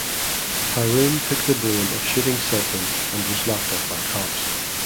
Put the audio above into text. Haroon took the blame of shooting Sultan and was locked up by cops.